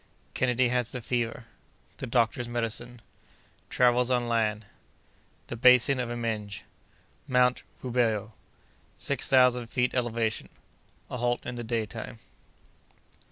—Kennedy has the Fever.—The Doctor's Medicine.—Travels on Land.—The Basin of Imenge.—Mount Rubeho.—Six Thousand Feet Elevation.—A Halt in the Daytime.